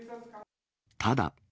ただ。